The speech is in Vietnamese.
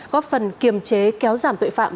góp phần kiềm chế kéo giảm tội phạm